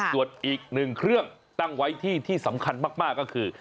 ส่วนอีกหนึ่งเครื่องตั้งไว้ที่ที่สำคัญมากก็คือ